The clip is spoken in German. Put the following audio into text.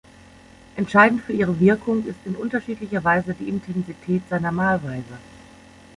Entscheidend für ihre Wirkung ist in unterschiedlicher Weise die Intensität seiner Malweise.